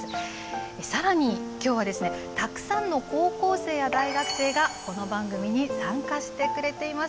更に今日はたくさんの高校生や大学生がこの番組に参加してくれています。